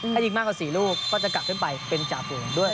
ถ้ายิงมากกว่า๔ลูกก็จะกลับขึ้นไปเป็นจ่าฝูงด้วย